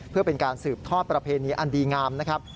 เพื่อเป็นการสืบทอดประเพณีอันดีงามนะครับ